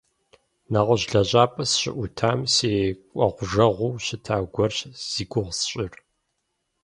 Нэгъуэщӏ лэжьапӏэ сыщыӏутам си кӏуэгъужэгъуу щыта гуэрщ зи гугъу сщӏыр.